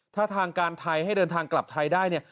ถ้าทางการไทยให้เดินทางกลับไทยได้เนี่ย